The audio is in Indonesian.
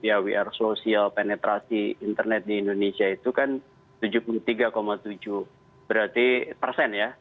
ya we air sosial penetrasi internet di indonesia itu kan tujuh puluh tiga tujuh berarti persen ya